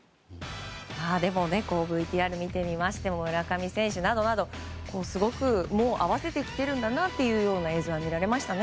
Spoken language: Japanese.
でもＶＴＲを見てみましても村上選手などなど、すごく合わせてきてるんだなという映像が見られましたね。